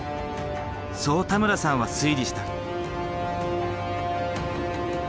そう田村さんは推理した。